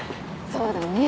そうだね。